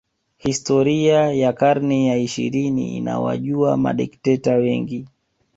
Historia ya karne ya ishirini inawajua madikteta wengi